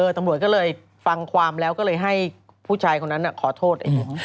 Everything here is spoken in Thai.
ตำรวจก็เลยฟังความแล้วก็เลยให้ผู้ชายคนนั้นขอโทษเอง